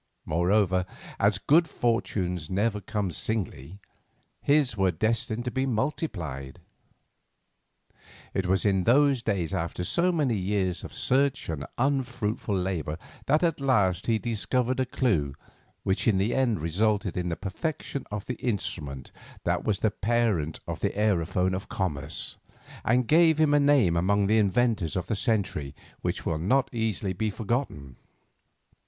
Moreover, as good fortunes never come singly, his were destined to be multiplied. It was in those days after so many years of search and unfruitful labour that at last he discovered a clue which in the end resulted in the perfection of the instrument that was the parent of the aerophone of commerce, and gave him a name among the inventors of the century which will not easily be forgotten.